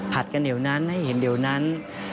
ผัดกันเดี๋ยวนั้นให้เห็นเดี๋ยวนั้น